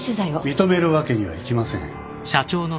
認めるわけにはいきません。